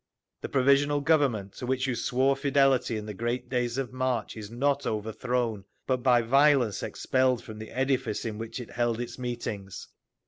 The Provisional Government, to which you swore fidelity in the great days of March, is not overthrown, but by violence expelled from the edifice in which it held its meetings.